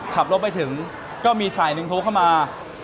ขับรถไปถึงก็มีสายหนึ่งโทรเข้ามา